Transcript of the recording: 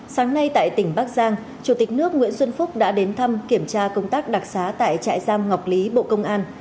sáng nay tại tỉnh bắc giang chủ tịch nước nguyễn xuân phúc đã đến thăm kiểm tra công tác đặc xá tại trại giam ngọc lý bộ công an